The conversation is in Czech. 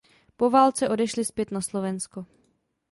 Po válce odešli zpět na Slovensko.